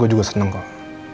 gue juga seneng kok